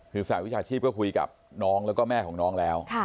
คือสหวิชาชีพก็คุยกับน้องแล้วก็แม่ของน้องแล้ว